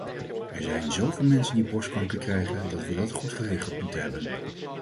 Er zijn zoveel mensen die borstkanker krijgen dat we dat goed geregeld moeten hebben.